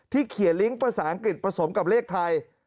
เขียนลิงก์ภาษาอังกฤษผสมกับเลขไทย